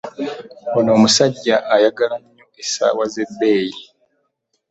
Oyo omusajja ayagala nnyo essaawa z'ebbeeyi.